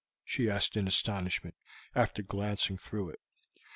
she asked in astonishment, after glancing through it.